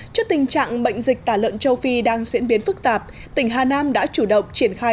trước tình trạng bệnh dịch tả lợn châu phi đang diễn biến phức tạp tỉnh hà nam đã chủ động triển khai